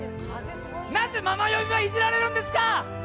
なぜママ呼びはイジられるんですか！